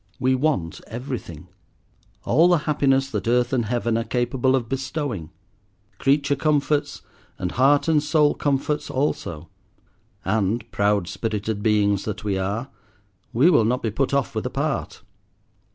We want everything. All the happiness that earth and heaven are capable of bestowing. Creature comforts, and heart and soul comforts also; and, proud spirited beings that we are, we will not be put off with a part.